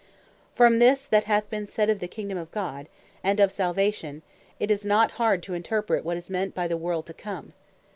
From this that hath been said of the Kingdom of God, and of Salvation, it is not hard to interpret, what is meant by the WORLD TO COME.